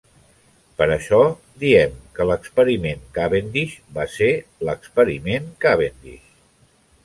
Per això, diem que l"experiment Cavendish va ser "l""experiment Cavendish.